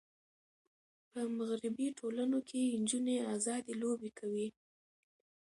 په مغربي ټولنو کې نجونې آزادې لوبې کوي.